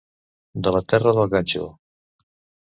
De la terra del ganxo.